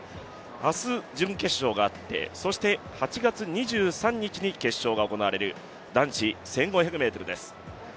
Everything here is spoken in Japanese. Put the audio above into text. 明日、準決勝があって、８月２３日に決勝が行われる男子１５００ｍです。